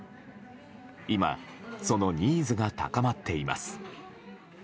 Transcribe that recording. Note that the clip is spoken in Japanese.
今、そのニーズが高まっています。